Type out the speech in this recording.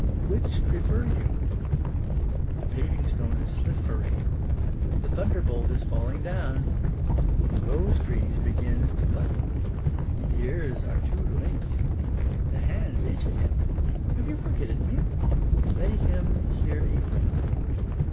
Witch prefer you ? The paving stone is sliphery. The thunderbolt is falling down. The rose trees begins to button. The ears are too length. The hands itch at him. Have you f orgeted me ? Lay him hir apron.